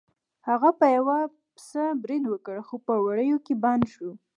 هغه په یو پسه برید وکړ خو په وړیو کې بند شو.